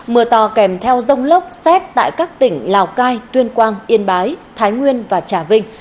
mưa to kèm theo rông lốc xét tại các tỉnh lào cai tuyên quang yên bái thái nguyên và trà vinh